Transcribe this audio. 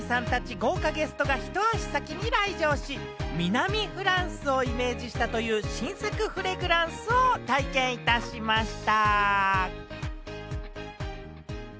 豪華ゲストがひと足先に来場し、南フランスをイメージしたという、新作フレグランスを体験いたしました。